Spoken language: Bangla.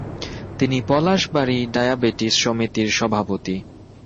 তিনি পলাশবাড়ী ডায়াবেটিস সমিতির সভাপতি।